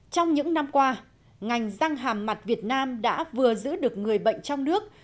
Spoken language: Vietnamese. trong những năm qua ngành răng hàm mặt việt nam đã vừa giữ được người bệnh trong nước